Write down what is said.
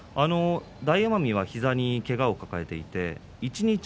大奄美、膝にけがを抱えています。